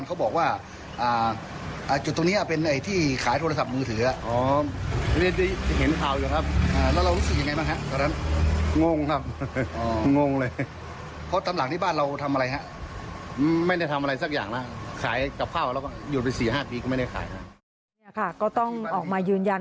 ก็ต้องออกมายืนยันความว่า